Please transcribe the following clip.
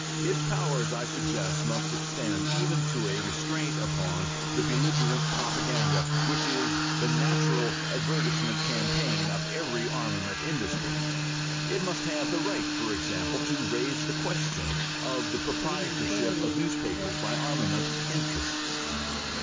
Its powers, I suggest, must extend even to a restraint upon the belligerent propaganda which is the natural advertisement campaign of every armament industry. It must have the right, for example, to raise the question of the proprietorship of newspapers by armament interests.